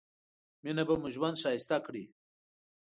مينه به مو ژوند ښايسته کړي